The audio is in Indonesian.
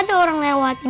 kok rambut tyun